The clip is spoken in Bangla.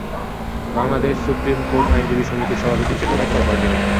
বাংলাদেশ সুপ্রিম কোর্ট আইনজীবী সমিতির সভাপতি হিসেবেও দায়িত্ব পালন করেন তিনি।